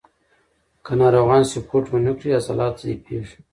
که ناروغان سپورت ونه کړي، عضلات ضعیفېږي.